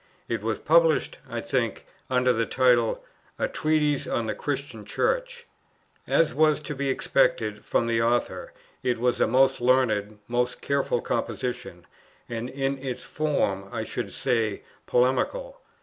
It was published, I think, under the title, "A Treatise on the Christian Church." As was to be expected from the author, it was a most learned, most careful composition; and in its form, I should say, polemical.